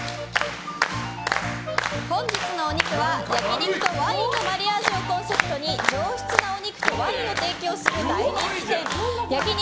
本日のお肉は、焼き肉とワインのマリアージュをコンセプトに上質なお肉とワインを提供する大人気店焼肉